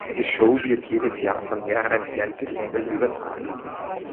Die Show wird jedes Jahr von mehreren Fernsehsendern übertragen.